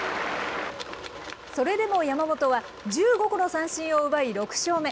それでも山本は、１５個の三振を奪い６勝目。